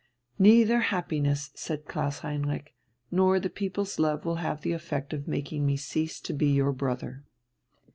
"Neither happiness," said Klaus Heinrich, "nor the people's love will have the effect of making me cease to be your brother."